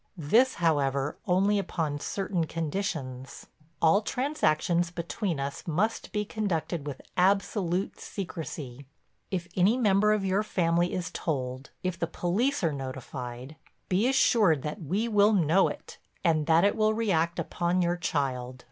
This, however, only upon certain conditions. All transactions between us must be conducted with absolute secrecy. If any member of your family is told, if the police are notified, be assured that we will know it, and that it will react upon your child.